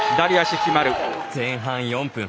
前半４分。